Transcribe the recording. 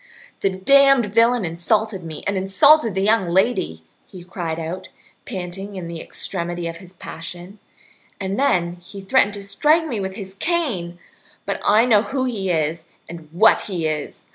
"The damned villain insulted me and insulted the young lady," he cried out, panting in the extremity of his passion, "and then he threatened to strike me with his cane. But I know who he is and what he is.